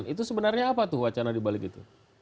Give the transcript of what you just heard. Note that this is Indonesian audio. itu sebenarnya apa tuh wacana di balik itu